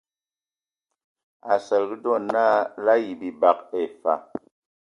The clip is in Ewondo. Asǝlǝg dɔ naa la ayi bibag ai fa.